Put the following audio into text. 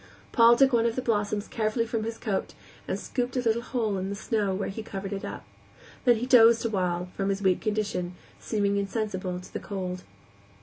Paul took one of the blossoms carefully from his coat and scooped a little hole in the snow, where he covered it up. Then he dozed awhile, from his weak condition, seemingly insensible to the cold.